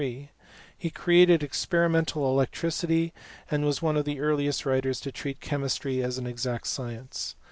Recreated experimental electricity, and was one of the earliest writers to treat chemistry as an exact science.